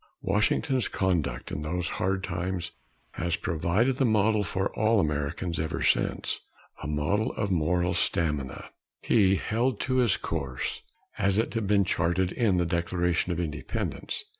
Washington's conduct in those hard times has provided the model for all Americans ever since a model of moral stamina. He held to his course, as it had been charted in the Declaration of Independence.